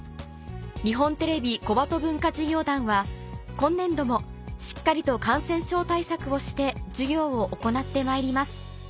日本テレビ小鳩文化事業団は今年度もしっかりと感染症対策をして授業を行ってまいります